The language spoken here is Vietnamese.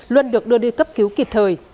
luân được đưa đi cấp cứu kịp thời